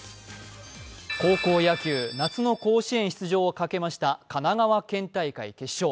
高校野球、夏の甲子園出場をかけました神奈川県大会決勝。